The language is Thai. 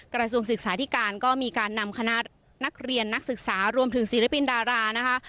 กระทรวงศึกษาธิการก็มีการนำคณะนักเรียนนักศึกษารวมถึงศิลปินดารานะคะ